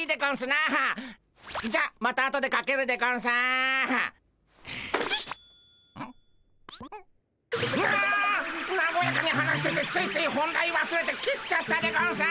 なごやかに話しててついつい本題わすれて切っちゃったでゴンス！